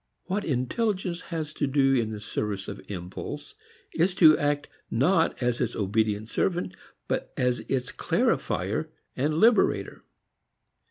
What intelligence has to do in the service of impulse is to act not as its obedient servant but as its clarifier and liberator.